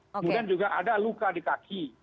kemudian juga ada luka di kaki